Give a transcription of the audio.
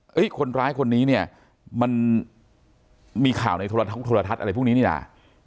คนร้ายคนนี้เนี่ยมันมีข่าวในโทรทัศน์อะไรพวกนี้นี่นะ